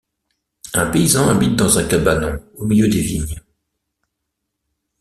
Un paysan habite dans un cabanon au milieu des vignes.